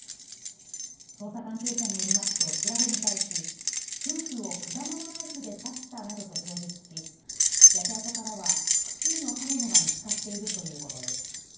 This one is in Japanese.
捜査関係者によりますと調べに対し夫婦を果物ナイフで刺したなどと供述し焼け跡からは複数の刃物が見つかっているということです。